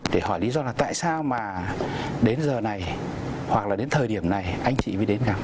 để hỏi lý do là tại sao mà đến giờ này hoặc là đến thời điểm này anh chị mới đến gặp